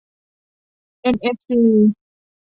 เอ็นเอฟซี